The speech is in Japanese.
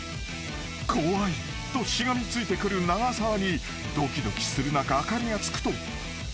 ［「怖い」としがみついてくる長澤にドキドキする中明かりがつくと］